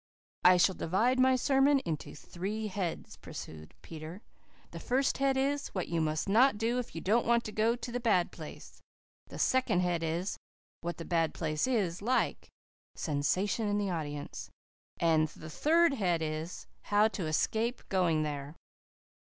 "I shall divide my sermon into three heads," pursued Peter. "The first head is, what you must not do if you don't want to go to the bad place. The second head is, what the bad place is like" sensation in the audience "and the third head is, how to escape going there.